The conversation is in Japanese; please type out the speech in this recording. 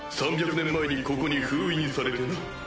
３００年前にここに封印されてな。